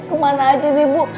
kemana aja deh bu